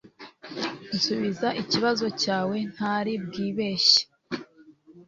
nsubiza ikibazo cyawe ntari bwibeshye